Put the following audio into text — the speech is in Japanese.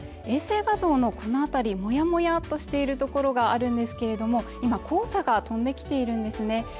衛星画像のこの辺りもやもやとしているところがあるんですけれども今黄砂が飛んできているんですね